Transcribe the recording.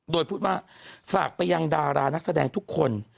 โดยพูดว่าฝากไปยังดารานักแสดงทุกคน